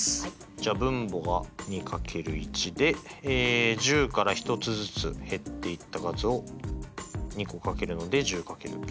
じゃあ分母が２×１で１０から１つずつ減っていった数を２個掛けるので１０×９。